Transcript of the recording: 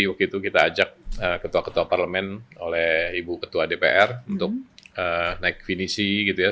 waktu itu kita ajak ketua ketua parlemen oleh ibu ketua dpr untuk naik finisi gitu ya